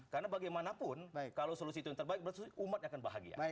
karena bagaimanapun kalau solusi itu yang terbaik berarti umatnya akan bahagia